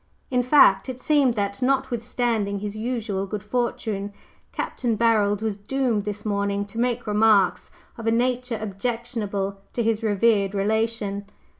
In fact, it seemed that, notwithstanding his usual good fortune, Capt. Barold was doomed this morning to make remarks of a nature objectionable to his revered relation.